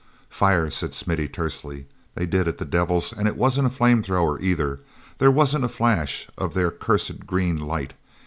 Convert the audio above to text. "Fire," said Smithy tersely. "They did it, the devils, and it wasn't a flame thrower, either. There wasn't a flash of their cursed green light.